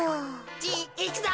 じいいくぞ。